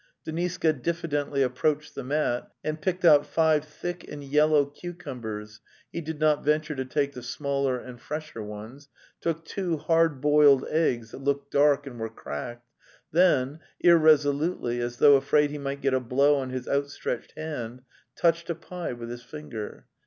Deniska difidently approached the mat and picked out five thick and yellow cucumbers (he did not ven ture to take the smaller and fresher ones), took two hard boiled eggs that looked dark and were cracked, then irresolutely, as though afraid he might get a blow on his outstretched hand, touched a pie with his finger.